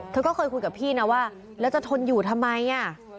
เธอก็เคยคุยกับพี่นะว่าแล้วจะทนอยู่ทำไมอ่ะ